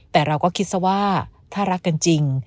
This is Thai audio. แต่เราก็คิดซะว่าถ้ารักกันจริง